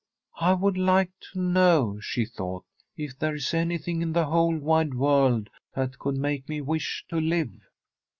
' I should like to know/ she thought, * if there is anything in the whole wide world that could make me wish to live.'